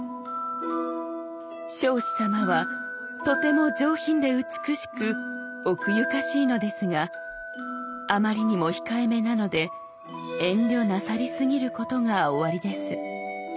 「彰子様はとても上品で美しく奥ゆかしいのですがあまりにも控えめなので遠慮なさりすぎることがおありです」。